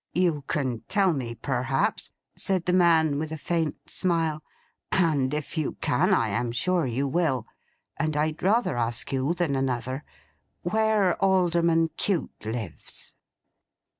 'You can tell me, perhaps,' said the man with a faint smile, 'and if you can I am sure you will, and I'd rather ask you than another—where Alderman Cute lives.